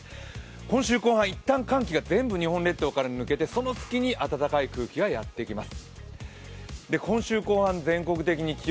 今週後半、一旦寒気が全部日本列島から抜けてその隙に暖かい空気がやってきます。